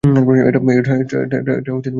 এটা কথার কথা, বাছা।